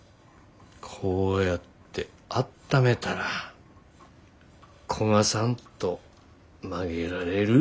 こうやってあっためたら焦がさんと曲げられる。